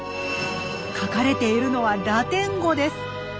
書かれているのはラテン語です。